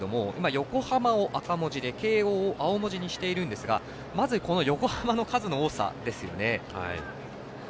改めて見ていただきたいんですが横浜を赤文字で慶応を青文字にしているんですがまず、横浜の数の多さですよね。